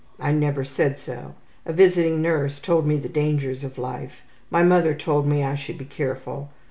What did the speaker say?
I never said so. A visiting nurse told me the dangers of life. My mother told me I should be careful.